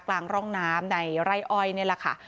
กลางร่องน้ำในไร่อ้อยนี่แหละค่ะ